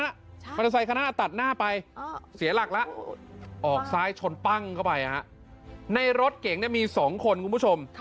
เมื่อซักคนนะวันเขานะกันตัดหน้าไปเสียหลักละออกซ้ายชนปั้งเข้าไปอ่ะในรถเก่งเนี้ยมีสองคนคุณผู้ชม